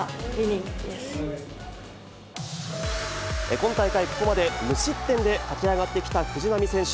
今大会、ここまで無失点で勝ち上がってきた藤波選手。